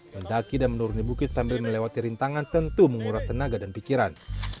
mendaki dan menuruni bukit sambil melewati rintangan tentu menguras tenaga dan pikiran